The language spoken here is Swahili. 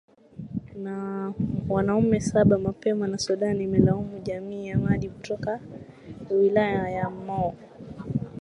na wanaume saba mapema na sudan imelaumu jamii ya madi kutoka wilaya ya mo